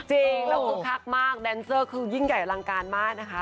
จริงแล้วคึกคักมากแดนเซอร์คือยิ่งใหญ่อลังการมากนะคะ